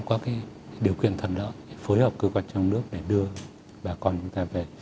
có cái điều quyền thuận lợi phối hợp cơ quan trong nước để đưa bà con chúng ta về